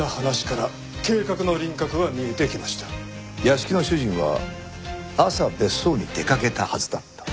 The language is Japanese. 屋敷の主人は朝別荘に出かけたはずだった。